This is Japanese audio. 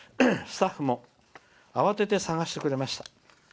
スタッフも慌てて探してくれました。